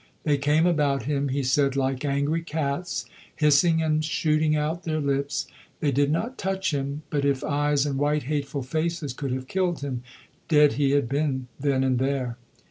They came about him, he said, like angry cats, hissing and shooting out their lips. They did not touch him; but if eyes and white hateful faces could have killed him, dead he had been then and there.